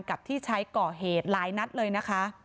กับที่ใช้ก่อเหตุหลายนัดเลยนะคะ